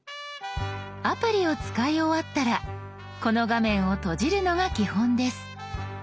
アプリを使い終わったらこの画面を閉じるのが基本です。